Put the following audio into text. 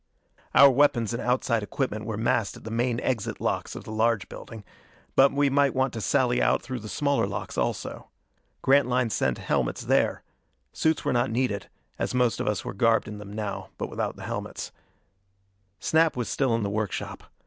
Our weapons and outside equipment were massed at the main exit locks of the large building. But we might want to sally out through the smaller locks also. Grantline sent helmets there; suits were not needed, as most of us were garbed in them now, but without the helmets. Snap was still in the workshop.